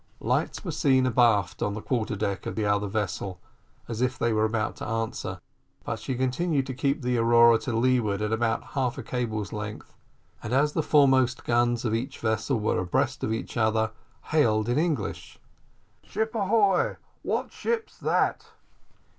Lights were seen abaft on the quarter deck of the other vessel, as if they were about to answer, but she continued to keep the Aurora to leeward at about half a cable's length, and as the foremost guns of each vessel were abreast of each other, hailed in English "Ship ahoy; what ship's that?"